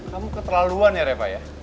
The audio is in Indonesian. kamu keterlaluan ya pak ya